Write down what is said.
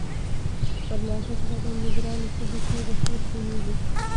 پر نازک بدن دی گرانی شگوفې د سېب تویېږی